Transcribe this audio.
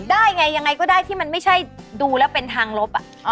ได้ไงยังไงก็ได้ที่มันไม่ใช่ดูแล้วเป็นทางลบ